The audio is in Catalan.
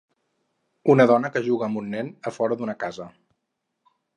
Una dona que juga amb un nen a fora d'una casa.